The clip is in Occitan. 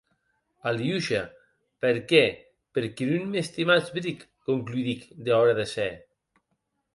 Aliosha, per qué, per qué non m'estimatz bric, concludic dehòra de se.